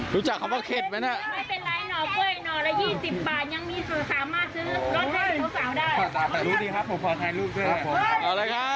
รู้จักคำว่าเข็ดมั้ยน่ะ